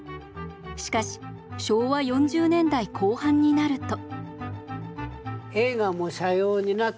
しかし昭和４０年代後半になると。